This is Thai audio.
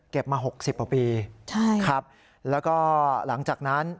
เก็บมา๖๐ปีครับแล้วก็หลังจากนั้น